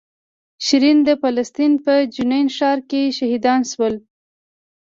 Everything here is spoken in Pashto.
شیرین د فلسطین په جنین ښار کې شهیدان شوه.